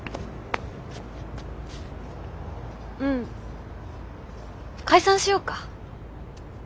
うん。解散しようか。